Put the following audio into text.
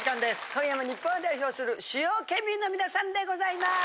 今夜も日本を代表する主要県民の皆さんでございます！